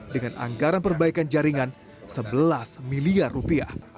dengan anggaran perbaikan jaringan sebelas miliar rupiah